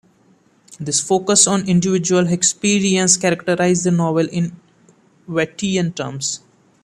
This focus on individual experience characterises the novel in Wattian terms.